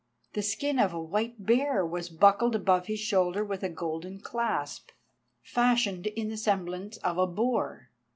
The skin of a white bear was buckled above his shoulder with a golden clasp, fashioned in the semblance of a boar.